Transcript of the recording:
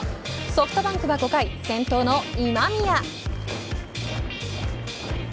ソフトバンクは５回先頭の今宮。